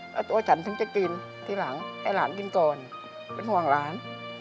แล้วตัวฉันถึงจะกินทีหลังให้หลานกินก่อนเป็นห่วงหลาน